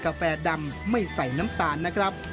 แฟดำไม่ใส่น้ำตาลนะครับ